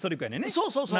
そうそうそう。